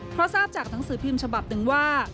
เพราะทราบจากหนังสือพิมพ์ฉบับหนึ่งว่า